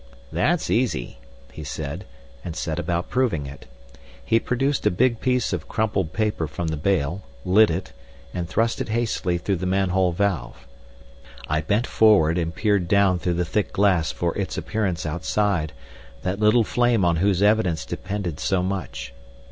"That's easy," he said, and set about proving it. He produced a big piece of crumpled paper from the bale, lit it, and thrust it hastily through the man hole valve. I bent forward and peered down through the thick glass for its appearance outside, that little flame on whose evidence depended so much!